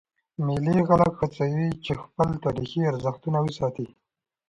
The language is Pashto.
مېلې خلک هڅوي، چي خپل تاریخي ارزښتونه وساتي.